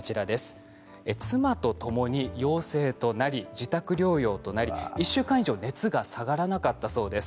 妻とともに陽性となり自宅療養となり１週間以上、熱が下がらなかったそうです。